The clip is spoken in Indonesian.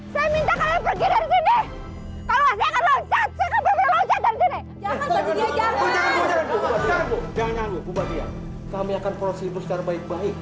sini dong baik